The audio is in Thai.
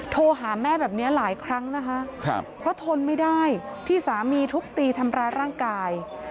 โทรหาแม่แบบนี้หลายครั้งนะคะเพราะทนไม่ได้ที่สามีทุบตีทำร้ายร่างกาย